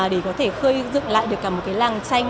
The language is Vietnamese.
để có thể khơi dựng lại được cả một cái làng tranh